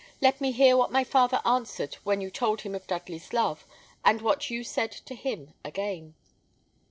Let me hear what my father answered when you told him of Dudley's love, and what you said to him again."